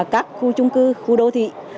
các khu chung cư khu đô thị